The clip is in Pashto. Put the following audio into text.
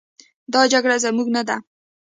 دا جګړې زموږ نه دي.